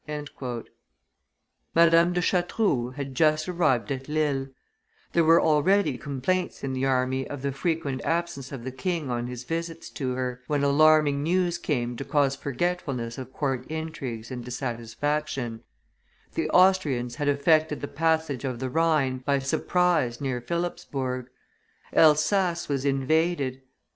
Madame de Chateauroux had just arrived at Lille; there were already complaints in the army of the frequent absence of the king on his visits to her, when alarming news came to cause forgetfulness of court intrigues and dissatisfaction; the Austrians had effected the passage of the Rhine by surprise near Philipsburg; Elsass was invaded.